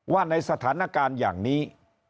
ว่าในสถานการณ์อย่างนี้